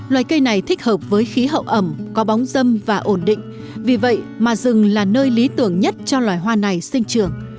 loài cây này thích hợp với khí hậu ẩm có bóng dâm và ổn định vì vậy mà rừng là nơi lý tưởng nhất cho loài hoa này sinh trường